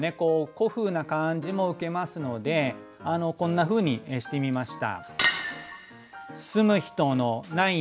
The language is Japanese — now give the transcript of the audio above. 古風な感じも受けますのでこんなふうにしてみました。